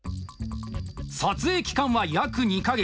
撮影期間は約２か月。